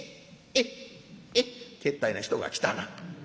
「けったいな人が来たな。